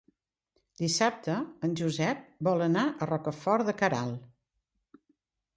Dissabte en Josep vol anar a Rocafort de Queralt.